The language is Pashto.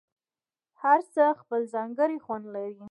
هر څه خپل ځانګړی خوند لري.